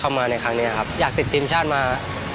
นอกจากนักเตะรุ่นใหม่จะเข้ามาเป็นตัวขับเคลื่อนทีมชาติไทยชุดนี้แล้ว